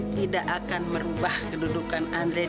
tidak akan merubah kedudukan andre